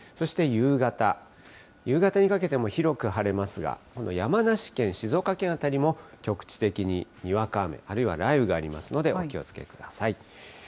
そして夕方、夕方にかけても広く晴れますが、今度、山梨県、静岡県辺りも局地的ににわか雨、あるいは雷雨がありますので、お気をつけください。